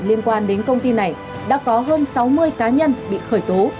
liên quan đến công ty này đã có hơn sáu mươi cá nhân bị khởi tố